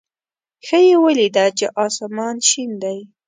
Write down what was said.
ښه یې ولېده چې اسمان شین دی.